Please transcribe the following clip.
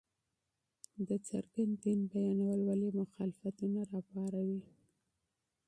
د څرګند دين بيانول ولې مخالفتونه راپاروي!؟